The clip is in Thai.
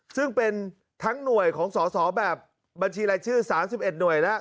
ซึ่งเป็นทั้งหน่วยของสอสอแบบบัญชีรายชื่อ๓๑หน่วยแล้ว